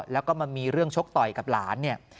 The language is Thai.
แล้วก็มามีเรื่องชกต่อยกับหลานเนี่ย